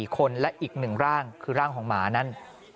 ๔คนและอีก๑ร่างคือร่างของหมานั้น